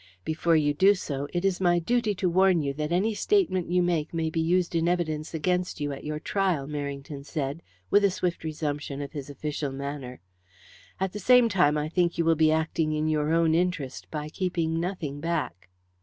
"Before you do so it is my duty to warn you that any statement you make may be used in evidence against you at your trial," Merrington said, with a swift resumption of his official manner. "At the same time, I think you will be acting in your own interest by keeping nothing back."